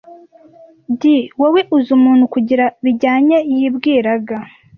" D'wowe uzi umuntu kugira bijyanye yibwiraga